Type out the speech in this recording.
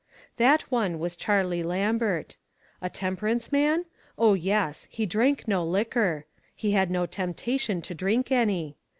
That one was Charlie Lambert. A tem perance man? Oh, yes. He drank no liquor. He had no temptation to drink any.